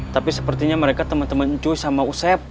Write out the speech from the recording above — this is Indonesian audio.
tapi sepertinya mereka teman teman cuy sama usep